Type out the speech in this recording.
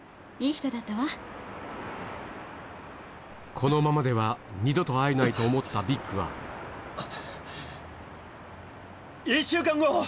このままでは二度と会えないと思ったヴィックはあぁ。